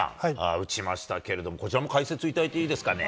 打ちましたけれども、こちらも解説いただいていいですかね。